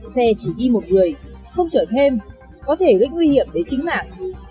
xe chỉ đi một người không chở thêm có thể rất nguy hiểm để tính mạng